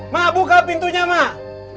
mak buka pintunya mak